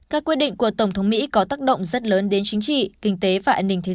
các quyết định của tổng thống mỹ có tác động rất lớn đến chính trị kinh tế và an ninh thế